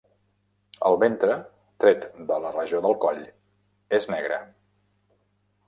El ventre, tret de la regió del coll, és negre.